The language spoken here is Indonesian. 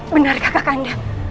benarkah kakak kanda